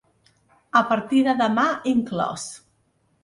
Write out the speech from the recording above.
A partir de demà inclòs.